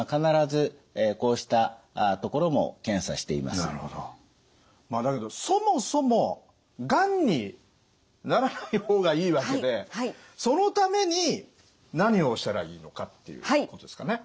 まあだけどそもそもがんにならない方がいいわけでそのために何をしたらいいのかっていうことですかね。